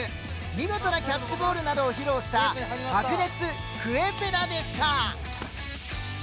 見事なキャッチボールなどを披露した「白熱！クウェペナ」でした。